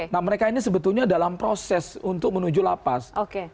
nah mereka ini sebetulnya dalam proses untuk menuju lapas